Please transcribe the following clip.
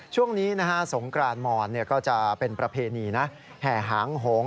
ช่วงนี้สงกรานมอนก็จะเป็นประเพณีแห่หางโหง